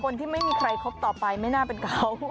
คนที่ไม่มีใครคบต่อไปไม่น่าเป็นเขา